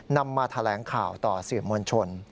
มาแถลงข่าวต่อสื่อมวลชน